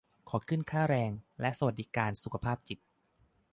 ขอขึ้นค่าแรง และสวัสดิการสุขภาพจิต